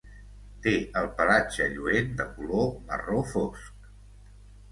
Té el pelatge lluent de color marró fosc.